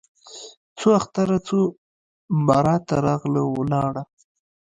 څو اختره څو براته راغله ولاړه